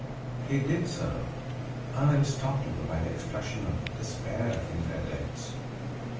He did so, and I was startled by the expression of despair in their depths.